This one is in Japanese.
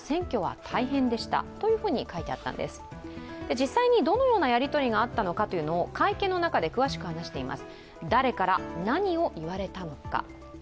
実際にどのようなやりとりがあったのか、会見の中で詳しく話しています。